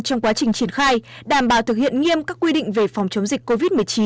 trong quá trình triển khai đảm bảo thực hiện nghiêm các quy định về phòng chống dịch covid một mươi chín